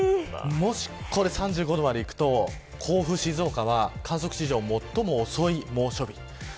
もし３５度までいくと甲府、静岡は観測史上最も遅い猛暑日。